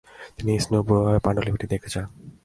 তিনি স্নেহপূর্ণভাবে পাণ্ডুলিপিটি দেখতে চান।